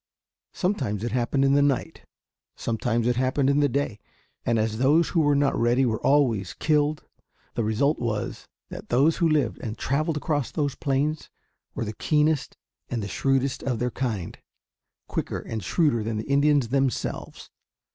Sometimes it happened in the night. Sometimes it happened in the day. And as those who were not ready were always killed, the result was that those who lived and traveled across those plains were the keenest and shrewdest of their kind quicker and shrewder than the Indians themselves.